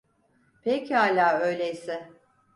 Pekâlâ öyleyse.